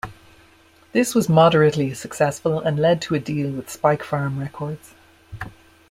This was moderately successful and led to a deal with Spikefarm Records.